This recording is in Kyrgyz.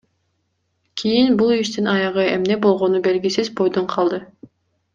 Кийин бул иштин аягы эмне болгону белгисиз бойдон калды.